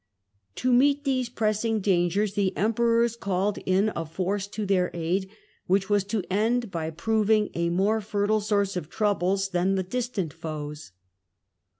To meet these pressing dangers the Emperors called in a force to Catalan their aid, which was to end by proving a more fertile company source of troubles than the distant foes.